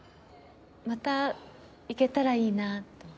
また行けたらいいなと。